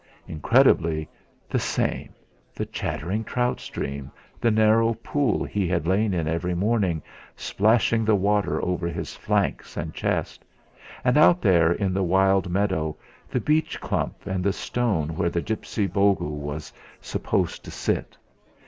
Incredibly the same the chattering trout stream, the narrow pool he had lain in every morning, splashing the water over his flanks and chest; and out there in the wild meadow the beech clump and the stone where the gipsy bogie was supposed to sit.